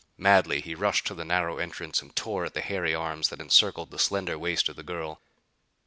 Madly he rushed to the narrow entrance and tore at the hairy arms that encircled the slender waist of the girl.